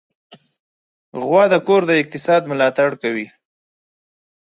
غوا د کور د اقتصاد ملاتړ کوي.